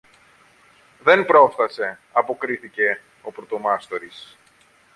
Δεν πρόφθασε, αποκρίθηκε ο πρωτομάστορης.